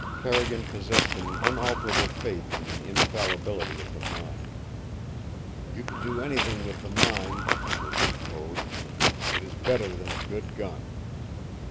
Carrigan possessed an unalterable faith in the infallibility of the mind. "You can do anything with the mind," was his code. "It is better than a good gun."